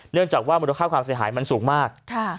เนื่องจากว่ามูลค่าความเสียหายมันสูงมาก